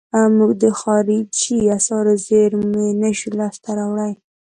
موږ د خارجي اسعارو زیرمې نشو لاس ته راوړلای.